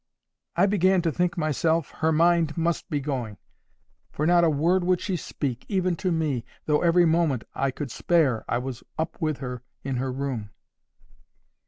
I began to think myself her mind must be going, for not a word would she speak, even to me, though every moment I could spare I was up with her in her room.